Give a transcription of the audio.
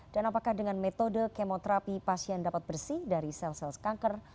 dan apakah dengan metode kemoterapi pasien dapat bersih dari sel sel kanker